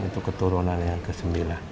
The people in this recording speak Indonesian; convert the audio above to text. itu keturunan yang ke sembilan